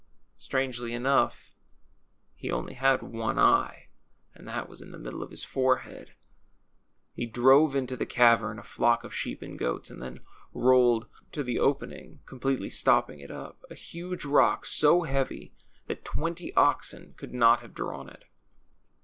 Strangely enough, he only had one eye, and that was in the middle of his forehead. He drove into the cavern a flock of sheep and goats, and then rolled to tlie open ing, completely stopping it up, a huge rock so heavy that twenty oxen could not have drawn it.